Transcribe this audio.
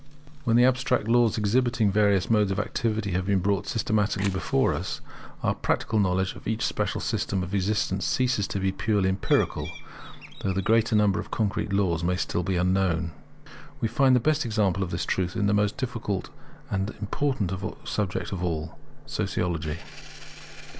When the abstract laws exhibiting the various modes of activity have been brought systematically before us, our practical knowledge of each special system of existence ceases to be purely empirical, though the greater number of concrete laws may still be unknown. We find the best example of this truth in the most difficult and important subject of all, Sociology.